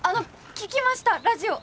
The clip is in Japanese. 聴きましたラジオ！